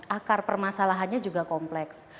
akar permasalahannya juga kompleks